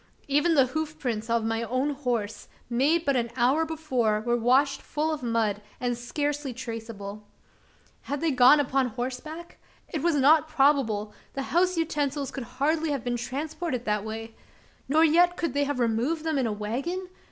Even the hoof prints of my own horse made but an hour before were washed full of mud, and scarcely traceable. Had they gone upon horseback? It was not probable: the house utensils could hardly have been transported that way? Nor yet could they have removed them in a wagon?